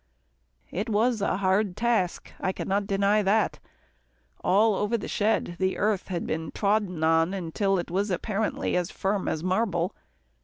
It was a hard task. I can not deny that. All over the shed, the earth had been trodden on till it was apparently as firm as marble.